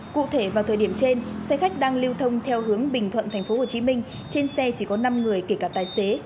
cụ thể vào thời điểm trên xe khách đang lưu thông theo hướng bình thuận tp hcm trên xe chỉ có năm người kể cả tài xế